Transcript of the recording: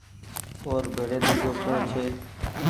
او ر بيڙي ۮوجو ڪوٚڻ ڇي